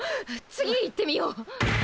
次行ってみよう。